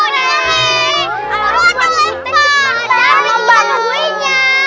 buruan terlepas jangan kita nungguinnya